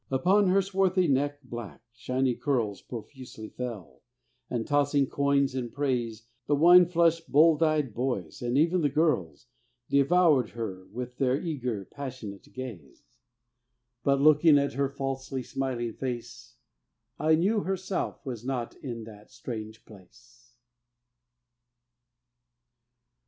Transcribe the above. Upon her swarthy neck black, shiny curls Profusely fell; and, tossing coins in praise, The wine flushed, bold eyed boys, and even the girls, Devoured her with their eager, passionate gaze; But, looking at her falsely smiling face I knew her self was not in that strange place.